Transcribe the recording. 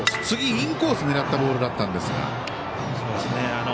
次、インコースを狙ったボールだったんですが。